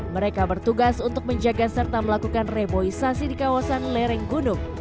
mereka bertugas untuk menjaga serta melakukan reboisasi di kawasan lereng gunung